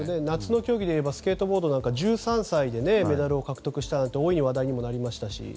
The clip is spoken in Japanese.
夏の競技でいえばスケートボードなどは１３歳でメダルを獲得したと大いに話題になりましたし。